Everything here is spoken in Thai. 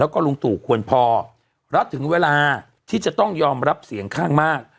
แล้วก็ลุงตู่ควรพอแล้วถึงเวลาที่จะต้องยอมรับเสียงข้างมาก